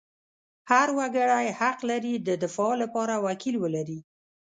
هر وګړی حق لري د دفاع لپاره وکیل ولري.